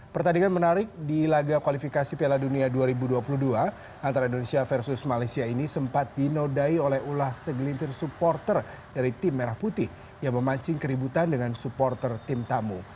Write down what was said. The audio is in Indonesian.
pertandingan menarik di laga kualifikasi piala dunia dua ribu dua puluh dua antara indonesia versus malaysia ini sempat dinodai oleh ulah segelintir supporter dari tim merah putih yang memancing keributan dengan supporter tim tamu